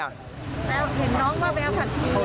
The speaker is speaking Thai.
เห็นน้องเขาไปเอาผักชี